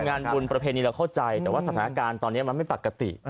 งานบุญประเพณีเราเข้าใจแต่ว่าสถานการณ์ตอนนี้มันไม่ปกติ